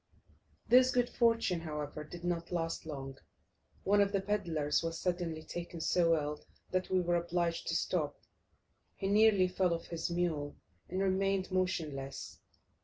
This good fortune, however, did not last long; one of the pedlars was suddenly taken so ill that we were obliged to stop. He nearly fell off his mule, and remained motionless.